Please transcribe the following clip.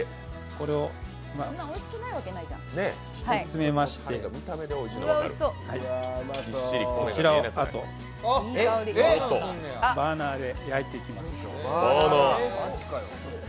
これを詰めまして、こちらをあと、バーナーで焼いていきます。